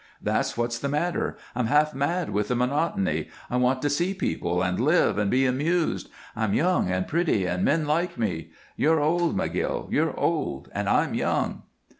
That's what's the matter. I'm half mad with the monotony. I want to see people, and live, and be amused. I'm young, and pretty, and men like me. You're old, McGill. You're old, and I'm young."